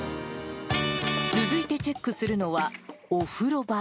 続いてチェックするのは、お風呂